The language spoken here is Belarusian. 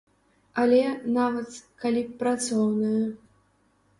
Але, нават, калі б працоўная.